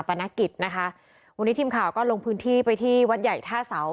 ปนกิจนะคะวันนี้ทีมข่าวก็ลงพื้นที่ไปที่วัดใหญ่ท่าเสา